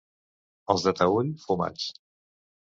Els de Taüll, fumats.